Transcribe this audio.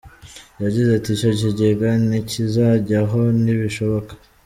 Yagize ati “Icyo kigega ntikizajyaho ; ntibishoboka.